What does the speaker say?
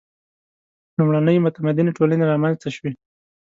• لومړنۍ متمدنې ټولنې رامنځته شوې.